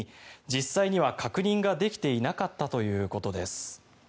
実際には確認ができていなかったということです。